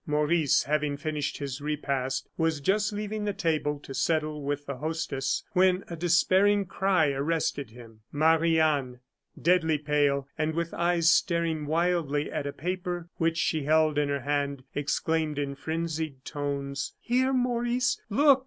Maurice having finished his repast was just leaving the table to settle with the hostess, when a despairing cry arrested him. Marie Anne, deadly pale, and with eyes staring wildly at a paper which she held in her hand, exclaimed in frenzied tones: "Here! Maurice! Look!"